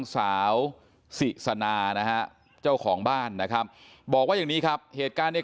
สาวสิสนานะฮะเจ้าของบ้านนะครับบอกว่าอย่างนี้ครับเหตุการณ์ใน